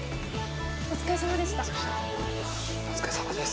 お疲れさまです。